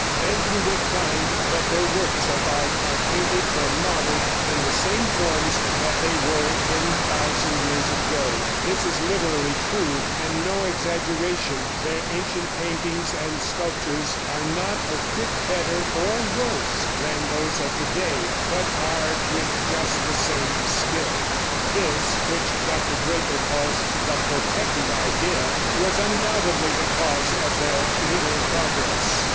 And you will find that their works of art are painted or modeled in the same forms that they were 10,000 years ago. This is literally true, and no exaggeration their ancient paintings and sculptures are not a whit better or worse than those of to day, but are with just the same skill." This, which Dr. Draper calls the "protective idea," was undoubtedly the cause of their little progress.